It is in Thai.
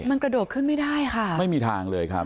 มันกระโดดขึ้นไม่ได้ค่ะไม่มีทางเลยครับ